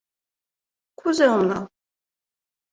— Кузе ом нал.